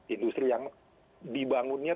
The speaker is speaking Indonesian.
industri yang dibangunnya